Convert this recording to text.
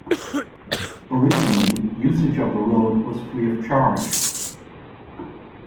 Originally usage of the road was free of charge.